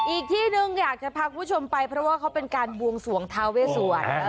อีกที่หนึ่งอยากจะพาคุณผู้ชมไปเพราะว่าเขาเป็นการบวงสวงทาเวสวร